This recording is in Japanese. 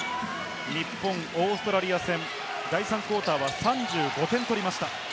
日本、オーストラリア戦、第３クオーターは３５点取りました。